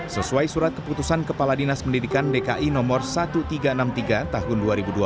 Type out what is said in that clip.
sesuai surat keputusan kepala dinas pendidikan dki no seribu tiga ratus enam puluh tiga tahun dua ribu dua puluh